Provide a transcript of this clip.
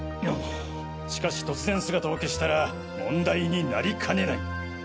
しかし突然姿を消したら問題になりかねない。